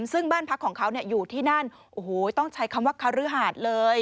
ซึ่งบ้านพักของเขาอยู่ที่นั่นโอ้โหต้องใช้คำว่าคฤหาสเลย